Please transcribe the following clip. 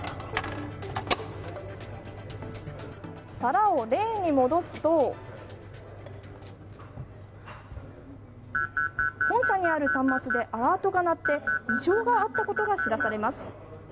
皿をレーンに戻すと本社にある端末でアラートが鳴って異常があったことが知らされます。